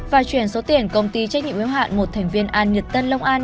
và chuyển số tiền công ty trách nhiệm yếu hạn một thành viên an nhật tân long an